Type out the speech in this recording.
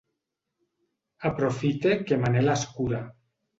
Aprofite que Manel escura.